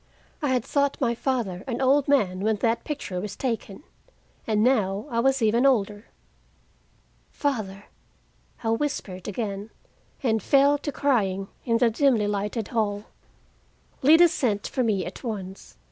I had thought my father an old man when that picture was taken, and now I was even older. "Father!" I whispered again, and fell to crying in the dimly lighted hall. Lida sent for me at once.